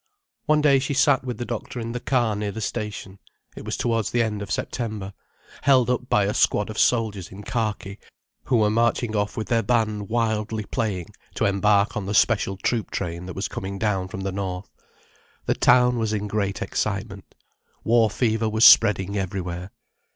One day she sat with the doctor in the car near the station—it was towards the end of September—held up by a squad of soldiers in khaki, who were marching off with their band wildly playing, to embark on the special troop train that was coming down from the north. The town was in great excitement. War fever was spreading everywhere.